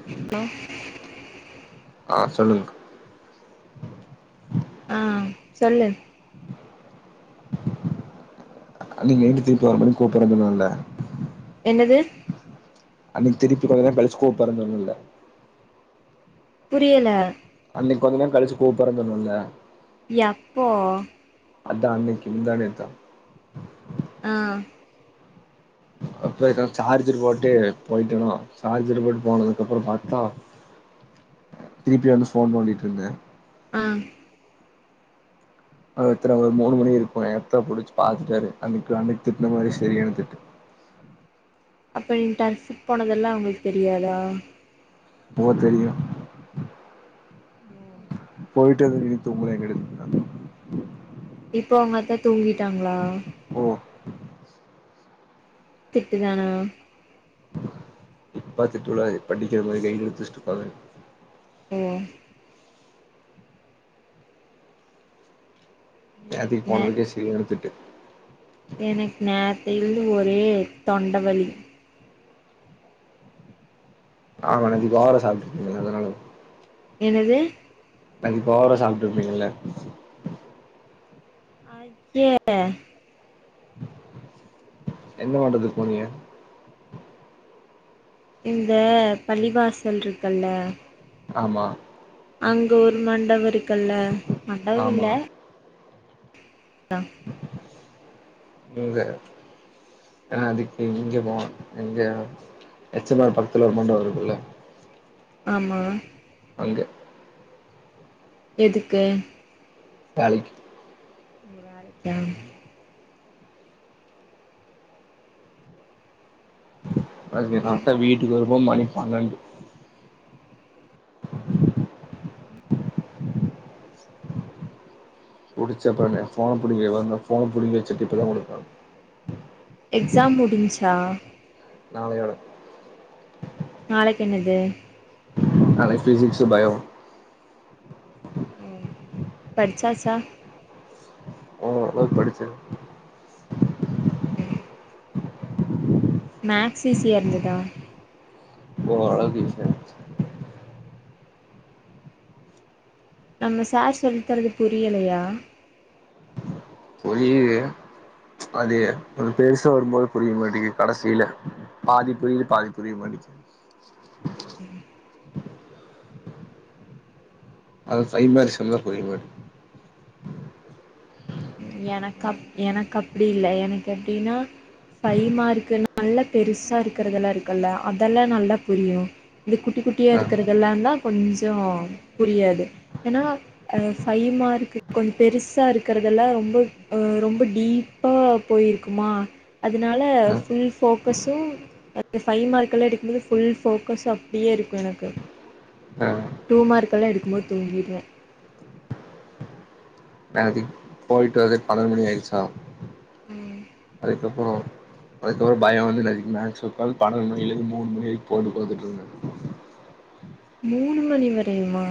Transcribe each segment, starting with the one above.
[inaudible] ஆஹ் சொல்லுங்க ஆ சொல்லு [unintelligible] என்னது அன்னைக்கு திருப்பி கொஞ்ச நேரோ கலிச்சு ஸ்கூல் கோப்பரைனு சொன்னைன்ல புரியல அன்னைக்குஞ்ச நேரோ கழச்சு கூப்புறேனு சொன்னேன்ல யப்போ அதான் அன்னக்கு முந்தா ஆ அப்ப சார்ஜர் போட்டு போயிட்டணோ சார்ஜர் போட்டு போனதுக்கு அப்பறோ பாத்த திருப்பி வந்து போன் பண்ணிட்டு இருந்தே ஆ ஒருத்தனை ஒரு மூணு மணி இருக்கு எத்த புடிச்சு பாத்துட்டாரு அன்னைக்கு அன்னைக்கு திட்டுன மாரி சரியான திட்டு அப்ப நீ டர்ஸ்க்கு போனதெல்லா அவங்களுக்கு தெரியாதா போத் தெரியு ம் போயிட்ட இ தூங்கறகெடுதுடா இப்ப அவங்கத்த தூங்கிட்டாங்களா ம் திட்டுதானா இப்பா திட்டுலாது படிக்கிற மாரி கைடு எடுத்துச்சிட்டு இருப்பாங்க ஓ எனக்கு நேத்தைக்கு நே போனதுக்கே சரியான திட்டு எனக்கு நேத்தேயிலருந்து ஒரே தொண்டவலி [unintelligible] அதனால என்னது கை படாம சாப்பிட்டு இருப்பீங்கல்ல அய்யே என்ன மட்றது போனிக இந்த பள்ளிவாசல் இருக்குல்ல ஆமா அங்க ஒரு மண்டபம் இருக்குல்ல மண்டபம் ஆமா இல்ல இங்க ஆ அதுக்கு இங்க போனோ எங்க ஹெச் எம் ஆர் பக்கத்துல ஒரு மண்டபோ இருக்குல்ல ஆமா அங்க எதுக்கு வேலைக் ஓ வேலைக்கா அனைக் எங்க அத்த வீட்டுக்கு வரும் போது மணி பண்ணெண்டு புடிச்ச அப்பறமே ஃபோன புடிங்க [unintelligible] ஃபோன புடிங்கி வச்சிட்டு இப்பதா குடுத்தா எக்ஸாம் முடிஞ்ச்சா நாளையோட நாளைக்கு என்னது நாளைக்கு ஃபிஷிக்சு பயோவு ம் படிச்சாச்சா ம் ஓரளவுக்கு படிச்சே ம் ம் மேக்ஸ் ஈஸியா இருந்ததா ஓரளவுக்கு ஈசியா இருந்துச் நம்ம சார் சொல்த்தறது புரியலையா புரியுது அது ஒன்னு பெருசா வரும்போது புரிய மாட்டங்குது கடைசில பாதி புரியிது பாதி புரிய மாட்டகுது ம் ம் அது ஃபை மார்க்ஸ் வந்தா புரிய மாட் எனக்கு அப் எனக்கு அப்டி இல்ல எனக்கு எப்டின்னா ஃபைவ் மார்க்கு நல்லா பெருசா இருக்கறதெல்லா இருக்குல்ல அதெல்லா நல்லா புரியு இது குட்டி குட்டியா ஆ இருக்கறதெல்லாந்தா கொஞ்சோ புரியாது ஏன்னா ஃபை மார்க்கு கொஞ்சோ பெருசா இருக்கறதெல்லா ரொம் ப அ ரொம்ப டீப்பா போயிருக்குமா அதுனால அ ஃபுல் ஃபோக்கஸ்சு [inaudible] ஃபை மார்க்கெல்லா எடுக்கும்போது ஃபுல் ஃபோக்கஸ்சு அப்டியே இருக்கு எனக்கு அ டூ மார்க்கெலா எடுக்கும்போது தூங்கிருவே [unintelligible] போயிட்டு வரதே பன்னெண்டு மணி ஆயிருச்சா ம் அதுக்கப்பறோ அதுக்கப்றோ பயோ வந்து நைட் மேக்ஸ் ஒக்காந்து பன்னெண்டு மணிலேந்து மூணு மணி வரைக்கு போட்டு பாத்துட் இருந்தே மூணு மணி வரையுமா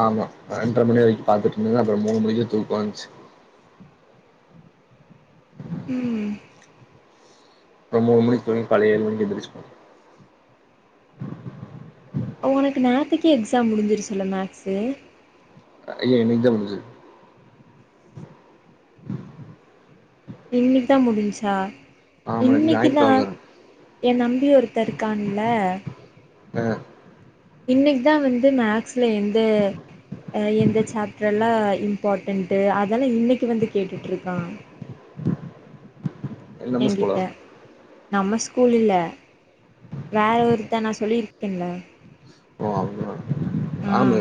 ஆமா பன்னெண்ர மணி வரைக்கு பாத்துட்டு இருந்தே அப்றோ மூணு மணிக்கு தூக்க வந்த்ச்சு ம் ப்றோ மூனு மணிக்கு தூங்கி காலெல ஏழு மணிக்கு எந்த்ருச்சு போ ஒனக்கு நேத்தைக்கே எக்ஸாம் முடிஞ்சிருச்சுல மேக்ஸு அயே இன்னைக்கு தா முடிச்சது இன்னைக்குதா முடிஞ்ச்சா ஆமா நாளைக்கு இன்னைக்குதா ஞாயித்துக்கெழம தான எ தம்பி ஒருத்த இருக்கான்ல அ இன்னிக்கிதா வந்து மேக்ஸ்ல எந்த எந்த சாப்ட்ரெல்லா இம்பார்டென்டு அதல்லா இன்னைக்கி வந்து கேட்டுட்டுர்க்கா இது நம்ம ஸ்கூலா ஏங்கிட்ட நம்ம ஸ்கூல் இல்ல வேற ஒருத்த நா சொல்லியிருக்கேல ஓ ஆ ஆமா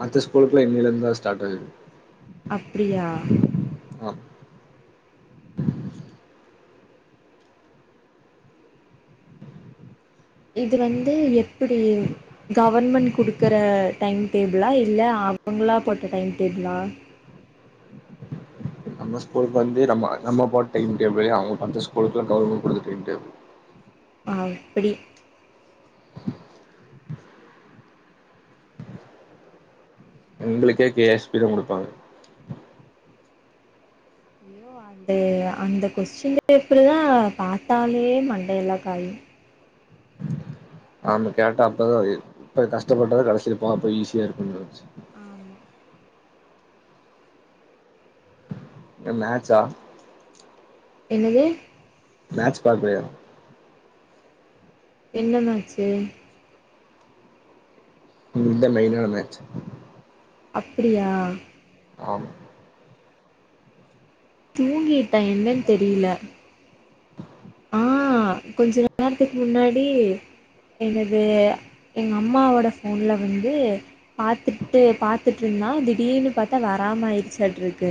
மத்த ஸ்கூலக்குல்லா இன்னியில இருந்துதா ஸ்டார்ட் ஆகுது அப்புடியா ஆ இது வந்து எப்புடி கவர்மெண்ட் குடுக்குற டைம் டேபுளா இல்ல அவங்களா போட்ட டைம் டேபுளா நம்ம ஸ்கூலூக்கு வந்து நம்ம போட் டைம் டேபுளு அவுங்க பாத்த ஸ்கூலூகுள்ளா கவர்மண்ட் குடுத்த டைம் டேபுளு ஆ எப்புடி எங்களுக்கே கே எஸ் பி தா குடுப்பாங்க ஐயோ அந்த அந்த கொஸ்டின் பேப்பருதா பாத்தாலே மண்டையெல்லா காயு ஆமா கேட்டா அப்பதா இப்ப கஷ்டப்பட்டாதா கடைசியில போம் அப்ப ஈஸியா இருக்குனுந்துச்சு ஆமா இங்க மேட்சா என்னது மேட்ச் பாக்கலையா என்ன மேச்சு இன்னைலுந்தா மெய்னான மேட்ச் அப்புடியா ஆம் தூங்கிட்ட என்னன்னு தெரியுல ஆ கொஞ்ச நேரத்துக்கு முன்னாடி என்னது எங்க அம்மாவோட ஃபோன்ல வந்து பாத்துட்டு பாத்துட்ர்ந்தா திடீர்னு பாத்தா வராமாயிருச்சாட்றுக்கு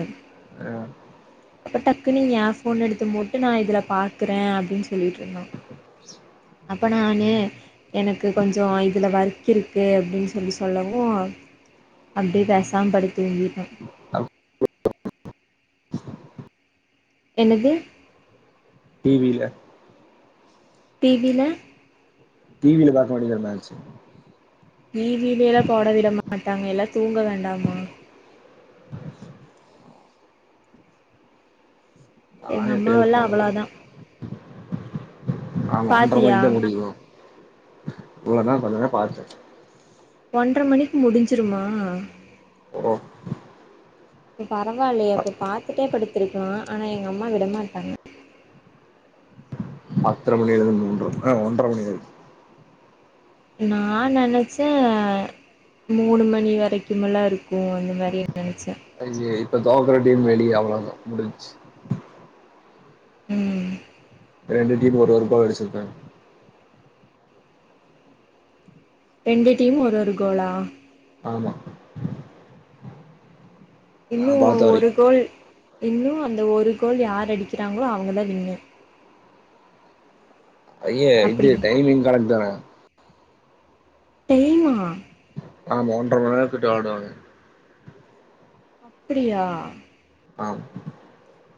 அப்ப டக்குனு ஏ ஃபோன் எடுத்து போட்டு நா இதுல பாக்குறே அப்டீன்னு சொல்லிட்ர்ந்தா அப்ப நானு எனக்கு கொஞ்சோ இதுல ஒர்க்கு இருக்கு அப்டீன்னு சொல்லி சொல்லவோ அப்டியே பேசாம படுத்தூங்கீட்ட என்னது டி வி ல டி வி‌ ல டி வில பாக்க வேண்டியதான மேட்ச்சு ஈ வீலாயிலா போட விட மாட்டாங்க எல்லா தூங்க வேண்டாமா எங்க நானே எப்பயாவது அம்மாவெல்லா ஃபோன்ல அவ்வளாதா ஆமா ஒன்றர மணிக்கு தா முடியு இவ்வளவுதா கொஞ்சோதா பாத்தே ஒன்றரை மணிக்கு முடிஞ்சுருமா ஓ இப்ப பரவால்லையே அப்போ பாத்துட்டே படுத்துருக்கலா ஆனா எங்க அம்மா விடமாட்டாங்க பத்தர மணியுலந்து ஒன்ற அ ஒன்றர மணி வெ நா நெனைச்சே மூணு மணி வெரைக்குமுல்லா இருக்கோ அந்த மாரி நெனச்சே ஐ சி ஐ இப்ப தோக்குற டீம் வெளியே அவ்வளதா முடிஞ்ச்சு ம் ரெண்டு டீம் ஒரு ஒரு கோல் அடிச்சிருப்பே ரெண்டு டீம் ஒரு ஒரு கோலா ஆமா நா இன்னு பாத்த ஒரு வரைக்கு கோல் இன்னு அந்த ஒரு கோல் யார் அடிக்கிறாங்ளோ அவங்க தா வின்னு அய அப்டி இது டைமிங் கடைக்ட் தான டெய்மா ஆ மூன்ற மண்நேரத்கிட்ட ஆடுவாங்க அப்புடியா ஆம்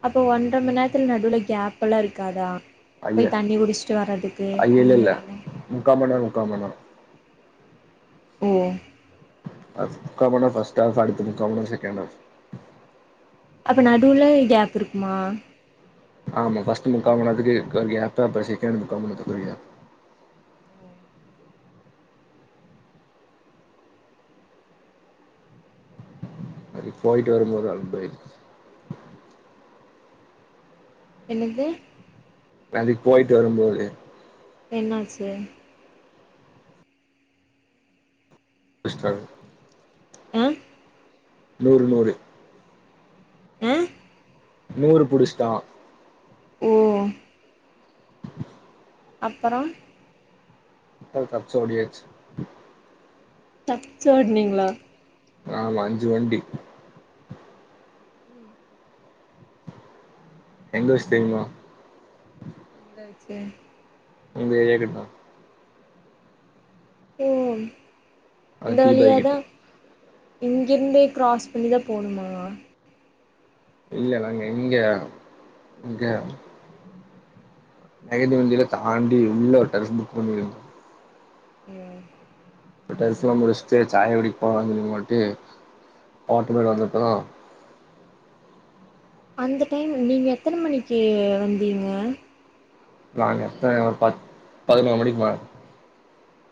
அப்போ ஒன்ற மண் நேர்த்துல நடுவுல கேப்ல்லா இருக்காதா போய் ஐய தண்ணி குடிஷ்ட்டு வரதுக்கு அந்த மேரி எல்லா முக்காமண் நேரோ முக்காமண் நேரோ ஒ அஸ் முக்கா மண் நேர் ஃபஸ்ட் ஆப் அடுத்து முக்கா மண் நேர செக்கேண் ஆப் அப்ப நடுவ்ல கேப் இருக்குமா ஆமா ஃபர்ஸ்ட்டு முக்காமண் நேரத்துக்கு அப்புற செக்கேண்டு முக்காமண் நேரத்துக் ஒரு கேப் ஒ அப்டி போய்ட்டு வரும்போது அலும்பாயிர்சு என்னது அதுக் போயிட்டு வரும்போது என்னாச்சு விஸ்ட்ராகு ம் நூறு நூறு ம் நூறு புடுஷ்ட்டா ஓ அப்பறோ த தப்ச்சு ஓடியாச்சு தப்ச் ஓட்னீங்ளா ஆமா அஞ்சு வண்டி ம் எங்க வெச் தெரிய்மா எங்க வெச்சு உங்க ஏரியா கிட் தா ஓ அது இந்த தீபாய் வழியாதா கிட்ட இங்கிர்ந்தே க்ராஸ் பண்ணி தா போணுமா இல்ல நாங்க எங்க இங்க நெகந்தி வந்தில தாண்டி உள்ள ஒரு டெரஸ் புக் பண்ணிரு ம் டெரிஸ்லா முடிஷ்ட்டு சாயா குடிக் போலான் சொல்லிமோட்டு ஓட்டுமேடு வந்தப்பதா அந்த டைம் நீங்க எத்தன மணிக்கு வந்தீங்க நாங் எத்தன ஒரு பத் பதுனொரு மணிக் மேல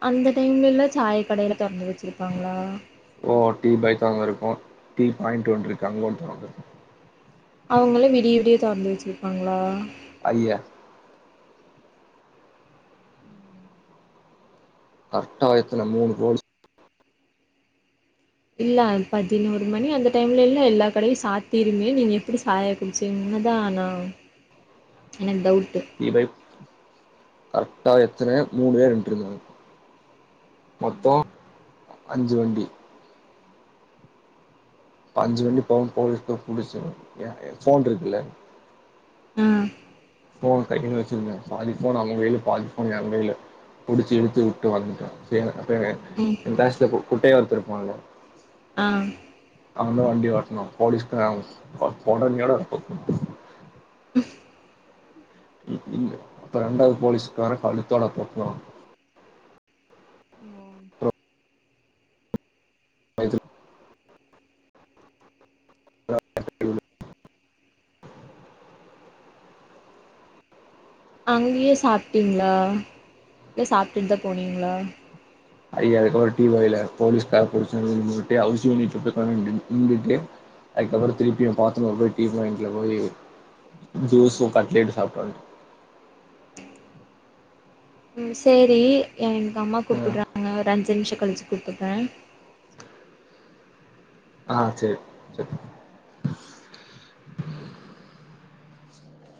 அந்த டைம்லல்ல சாய கடைல தொறந்து வச்சிருப்பாங்ளா ஓ டீ பை தொறந்துருக்கு டீ பாயிண்ட் ஒன்ருக்கு அங்க ஒன்னு தொறந்துருக் அவுங்களு விடிய விடிய தொறந்து வெச்சிருப்பாங்ளா ஐய கட்டாயத்தன மூணு போச்சு இல்ல அந் பதினோரு மணி அந்த டைம்ல இல்ல எல்லா கடையு சாத்திருமே நீங்க எப்டி சாய் சிங்ந தானா எனக் டவுட்டு இ பைக் கரெக்டா எத்தன மூணு பேரு நின்னுட்ருந்தாங்க மொத்தொ அஞ்சு வண்டி அஞ்சு வண்டி [unintelligible] ஃபோன்ருக்குல்ல அ ஃபோன் கைன்னு வச்சிருந்தேன் பாதி ஃபோன் அவங்க கைல பாதி ஃபோன் என் கைல புடிச்சுழுத்து வுட்டு வந்துட்ட ம் [unintelligible] என் க்ளாஸ்ல குட்டையா ஒருத்த இருப்பான்ல்ல ஆ அவந்தா வண்டி ஓட்னா போலீஸ் [unintelligible] இல்ல அப்ப ரெண்டாவ்து போலீஸுகார கழுத்தோட போபோறா ம் பயத்துல அங்கயே சாப்ட்டீங்ளா இல்ல சாப்ட்டுட்டு தா போனீங்ளா ஐயாதுக்கு ஒரு டி பாய்ல போலீஸ்கார [unintelligible] [unintelligible] அதுக்கப்பறம் திருப்பியு [unintelligible] போய் டீ பாயிண்ட்ல போய் ம் ஜூஸும் கட்லேட் சாப்ட்டோ ம் சேரி எங்க அம்மா வந்துட்டு கூப்ட்றாங்க ஒரு அஞ்சு நிமிஷொ கழிச்சு கூப்புறன் ஆ செரி சரி